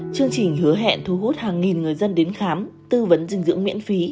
chương trình hứa hẹn thu hút hàng nghìn người dân đến khám tư vấn dinh dưỡng miễn phí